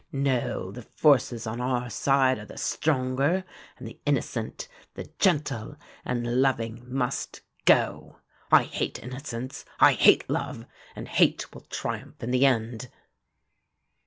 No, the forces on our side are the stronger, and the innocent, the gentle and loving must go. I hate innocence, I hate love; and hate will triumph in the end.